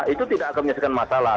itu tidak akan menyelesaikan masalah